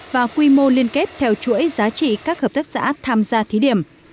và quy mô liên kết theo chuỗi giá trị các hợp tác xã tham gia thí điểm